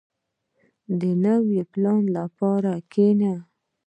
• د نوي پلان لپاره کښېنه.